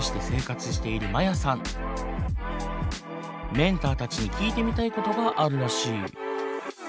メンターたちに聞いてみたいことがあるらしい。